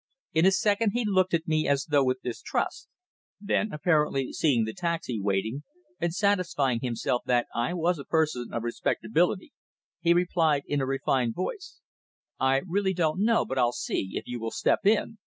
In a second he looked at me as though with distrust, then apparently seeing the taxi waiting, and satisfying himself that I was a person of respectability, he replied in a refined voice: "I really don't know, but I'll see, if you will step in?"